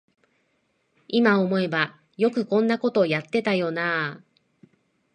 いま思えばよくこんなことやってたよなあ